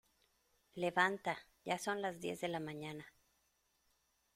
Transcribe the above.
Levanta, ya son las diez de la mañana.